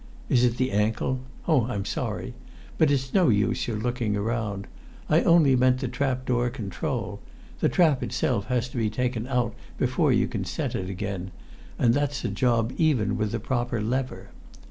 Is it the ankle? Oh! I'm sorry; but it's no use your looking round. I only meant the trap door control; the trap itself has to be taken out before you can set it again, and it's a job even with the proper lever.